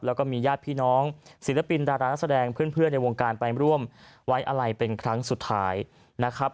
แล้วก็มีญาติพี่น้องศิลปินดารานักแสดงเพื่อนในวงการไปร่วมไว้อะไรเป็นครั้งสุดท้ายนะครับ